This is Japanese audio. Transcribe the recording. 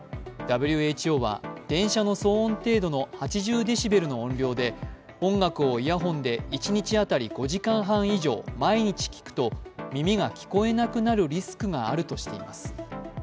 ＷＨＯは電車の騒音程度の８０デシベルの音量で音楽をイヤホンで一日当たり５時間半以上、毎日聴くと耳が聴こえなくなりリスクがあるとしています。